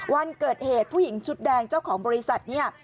วันเกิดเหตุผู้หญิงชุดแดงเจ้าของบริษัทเนี่ย